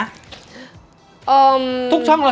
อ่ามทุกช่องเรา